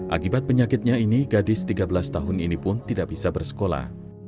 akibat penyakitnya ini gadis tiga belas tahun ini pun tidak bisa bersekolah